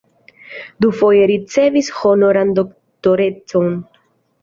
Dufoje ricevis honoran doktorecon.